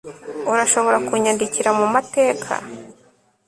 urashobora kunyandikira mumateka